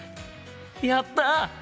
やった！